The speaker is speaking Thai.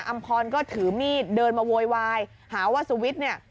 อำพรก็ถือมีดเดินมาโวยวายหาว่าสุวิทย์เนี่ย